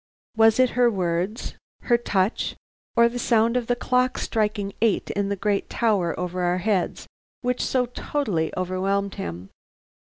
Was it her words, her touch, or the sound of the clock striking eight in the great tower over our heads, which so totally overwhelmed him?